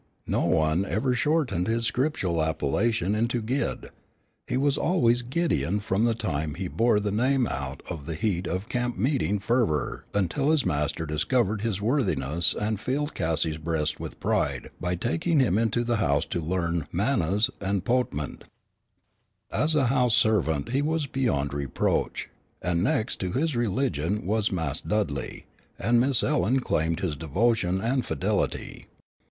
No one ever shortened his scriptural appellation into Gid. He was always Gideon from the time he bore the name out of the heat of camp meeting fervor until his master discovered his worthiness and filled Cassie's breast with pride by taking him into the house to learn "mannahs and 'po'tment." As a house servant he was beyond reproach, and next to his religion his Mas' Dudley and Miss Ellen claimed his devotion and fidelity.